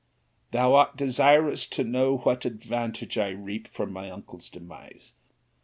Thou art desirous to know what advantage I reap by my uncle's demise.